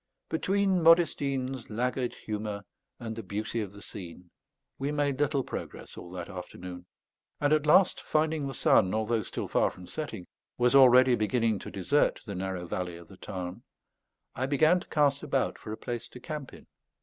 Between Modestine's laggard humour and the beauty of the scene, we made little progress all that afternoon; and at last finding the sun, although still far from setting, was already beginning to desert the narrow valley of the Tarn, I began to cast about for a place to camp in.